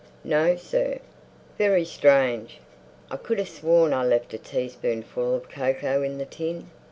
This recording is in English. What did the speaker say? "No, sir." "Very strange. I could have sworn I left a teaspoonful of cocoa in the tin."